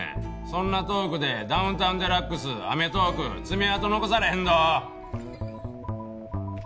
そんなトークで『ダウンタウンＤＸ』『アメトーーク』爪痕残されへんど！